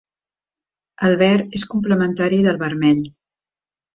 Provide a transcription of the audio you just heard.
El verd és complementari del vermell.